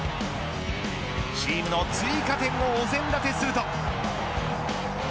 チームの追加点をお膳立てすると。